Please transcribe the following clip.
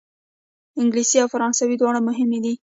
انګلیسي او فرانسوي دواړه مهمې دي.